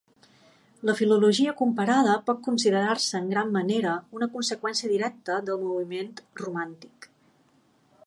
La filologia comparada pot considerar-se en gran manera una conseqüència directa del moviment romàntic.